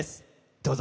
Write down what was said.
どうぞ。